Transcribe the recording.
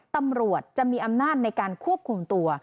ตำรวจจะมีอำนาจในการควบคุมตัว